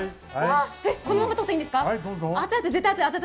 このまま取っていいですか？